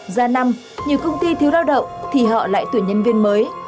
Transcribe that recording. ra năm nhiều công ty thiếu lao động thì họ lại tuyển nhân viên mới